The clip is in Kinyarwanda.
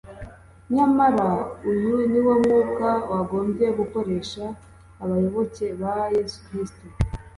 nyamara uyu ni wo mwuka wagombye gukoresha abayoboke ba yesu kristo